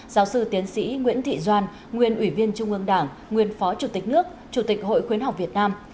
giáo sư tiến sĩ nguyễn thị doan nguyên ủy viên trung ương đảng nguyên phó chủ tịch nước chủ tịch hội khuyến học việt nam